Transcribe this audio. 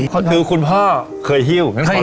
คือคุณพ่อเคยหิ้ว